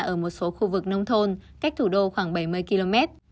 ở một số khu vực nông thôn cách thủ đô khoảng bảy mươi km